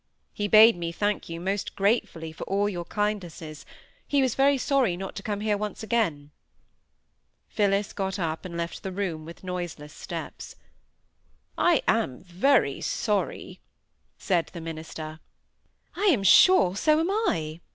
He bade me thank you most gratefully for all your kindnesses; he was very sorry not to come here once again." Phillis got up and left the room with noiseless steps. "I am very sorry," said the minister. "I am sure so am I!"